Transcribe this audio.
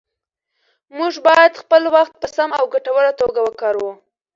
موږ باید خپل وخت په سمه او ګټوره توګه وکاروو